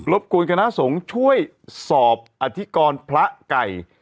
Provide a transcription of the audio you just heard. บกวนคณะสงฆ์ช่วยสอบอธิกรพระไก่